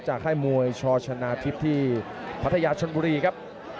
ค่ายมวยชอชนะทิพย์ที่พัทยาชนบุรีครับ